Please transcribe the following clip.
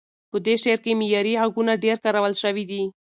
په دې شعر کې معیاري غږونه ډېر کارول شوي دي.